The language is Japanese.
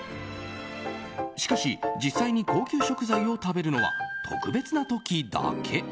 しかし、実際に高級食材を食べるのは特別な時だけ。